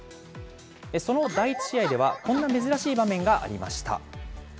その第１試合では、こんな珍しい場面がありました。